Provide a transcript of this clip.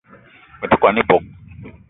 Me te kwan ebog